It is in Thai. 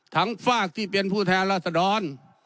ฝากที่เป็นผู้แทนราษดร